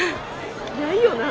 ないよな？